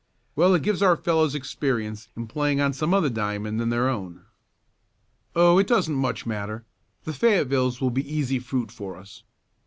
"Well it gives our fellows experience in playing on some other diamond than their own." "Oh, it doesn't much matter. The Fayettevilles will be easy fruit for us."